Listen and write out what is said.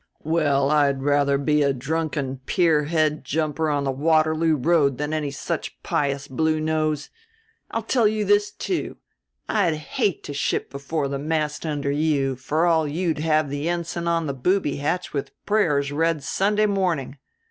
"Well, I'd rather be a drunken pierhead jumper on the Waterloo Road than any such pious blue nose. I'll tell you this, too I'd hate to ship afore the mast under you for all you'd have the ensign on the booby hatch with prayers read Sunday morning.